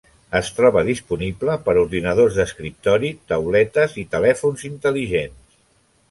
Es troba disponible per a ordinadors d'escriptori, tauletes i telèfons intel·ligents.